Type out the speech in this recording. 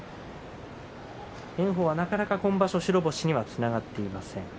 炎鵬、なかなか今場所白星にはつながっていません。